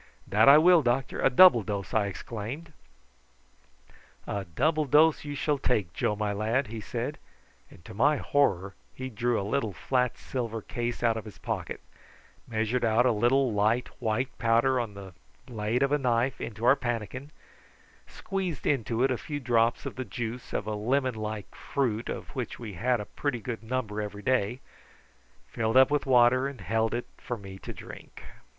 "That I will, doctor a double dose," I exclaimed. "A double dose you shall take, Joe, my lad," he said; and to my horror he drew a little flat silver case out of his pocket, measured out a little light white powder on the blade of a knife into our pannikin, squeezed into it a few drops of the juice of a lemon like fruit of which we had a pretty good number every day, filled up with water, and held it for me to drink.